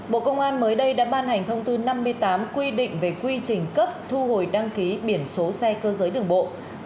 bộ công an mới đây đã ban hành thông tư năm mươi tám quy định về quy trình cấp thu hồi đăng ký biển số xe cơ giới đường bộ